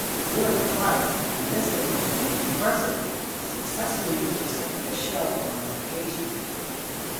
During trials, the missile performed impressively, successfully intercepting a shell on one occasion.